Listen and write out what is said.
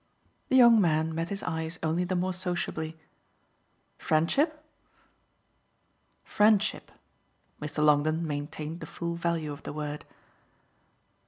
The young man met his eyes only the more sociably. "Friendship?" "Friendship." Mr. Longdon maintained the full value of the word.